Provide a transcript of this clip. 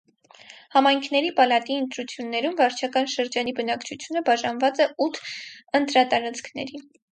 Համայնքների պալատի ընտրություններում վարչական շրջանի բնակչությունը բաժանված է ութ ընտրատարածքների։